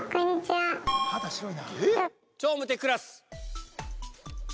はい。